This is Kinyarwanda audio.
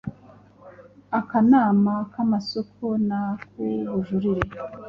akanama k’amasoko n’ak’ubujurire,